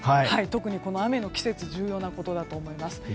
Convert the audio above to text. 特にこの雨の季節重要なことだと思います。